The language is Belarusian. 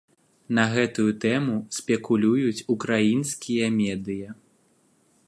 На гэтую тэму спекулююць украінскія медыя.